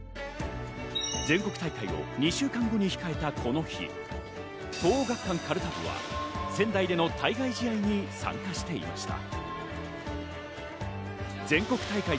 全国大会まで２週間後に控えたこの日、東桜学館かるた部は仙台での対外試合に参加していました。